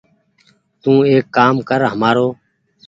تو ايڪ ڪآم ڪر همآرو ۔